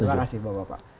terima kasih bapak bapak